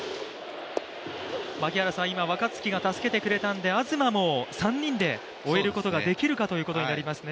今、若月が助けてくれたので東も３人で終えることができるかとなりますね。